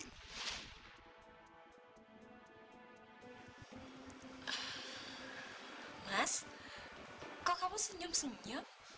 mas kok kamu senyum senyum